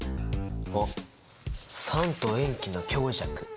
あっ酸と塩基の強弱！